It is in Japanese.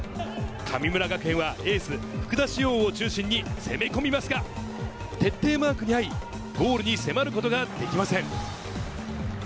神村学園はエース・福田師王を中心に攻め込みますが、徹底マークにあい、ゴールに迫ることができません。